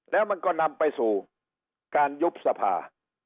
แล้วมันก็นำไปสู่การยุบสภา